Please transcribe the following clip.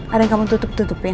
ada yang kamu tutup tutupin